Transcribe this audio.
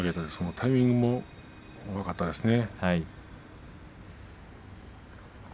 タイミングがよかったですね